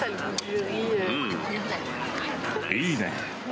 いいね。